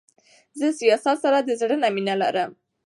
زه سياست د سره د زړه نه مينه لرم.